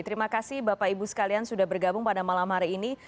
terima kasih bapak ibu sekalian sudah bergabung pada malam hari ini